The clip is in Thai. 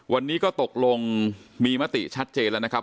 วันนี้ก็ตกลงมีมติชัดเจนแล้วนะครับ